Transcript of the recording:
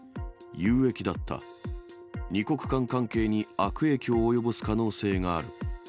有益だった２国間関係に悪影響を及ぼす可能性がある。